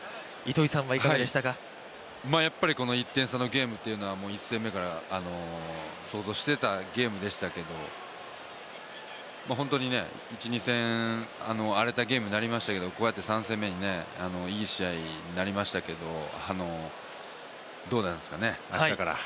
やっぱりこの１点差のゲームっていうのは１戦目から想像していたゲームでしたけど、本当に１、２戦荒れたゲームになりましたけど、こうやって３戦目にいい試合になりましたけどどうなんですかね、明日から。